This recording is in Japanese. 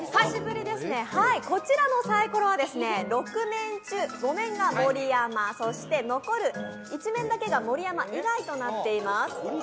こちらのサイコロは６面中５面が盛山、そして残る１面だけが「盛山以外」となっています。